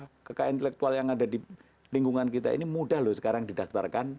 oh ternyata kekean intelektual yang ada di lingkungan kita ini mudah loh sekarang didaktarkan